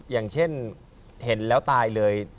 อย่างเช่นเห็นแล้วตายเลย